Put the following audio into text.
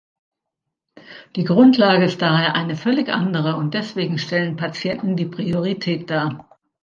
Die Grundlage ist daher eine völlig andere und deswegen stellen Patienten die Priorität dar.